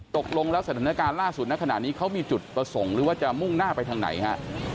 ตกลงแล้วสถานการณ์ล่าสุดณขณะนี้เขามีจุดประสงค์หรือว่าจะมุ่งหน้าไปทางไหนฮะ